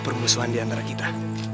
permusuhan diantara kita